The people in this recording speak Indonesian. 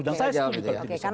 dan saya sendiri kalau di disana